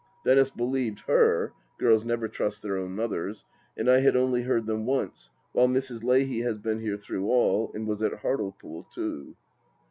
Venice believed her — girls never trust their own mothers — and I had only heard them once, while Mrs. Leahy has been here through all, and was at Hartlepool too.